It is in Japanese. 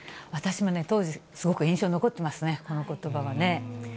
私も当時、すごく印象に残ってますね、このことばはね。